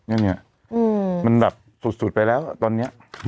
อื้อมันแบบสูบสูบไปแล้วตอนเนี้ย